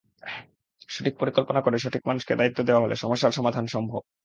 সঠিক পরিকল্পনা করে সঠিক মানুষকে দায়িত্ব দেওয়া হলে সমস্যার সমাধান সম্ভব।